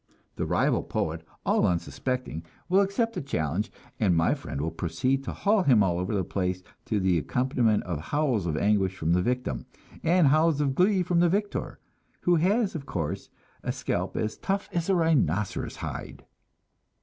The rival poet, all unsuspecting, will accept the challenge, and my friend will proceed to haul him all over the place, to the accompaniment of howls of anguish from the victim, and howls of glee from the victor, who has, of course, a scalp as tough as a rhinoceros hide.